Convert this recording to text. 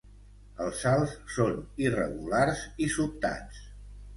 Els salts són irregulars i sobtats.